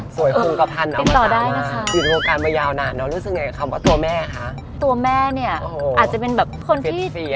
สวยคุ้งกระพันเอามาต่างหวะติดต่อได้นะคะ